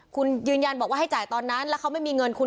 คุณยืนยันบอกว่าให้จ่ายตอนนั้นแล้วเขาไม่มีเงินคุณ